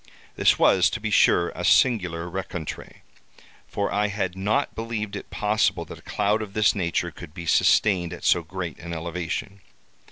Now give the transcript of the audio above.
This was, to be sure, a singular recontre, for I had not believed it possible that a cloud of this nature could be sustained at so great an elevation.